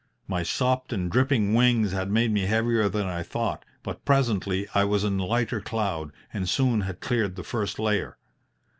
My sopped and dripping wings had made me heavier than I thought, but presently I was in lighter cloud, and soon had cleared the first layer.